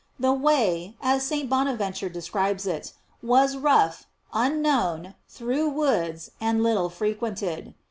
The way, as St. Bonaventure describes it, was rough, unknown, through woods, and little frequented.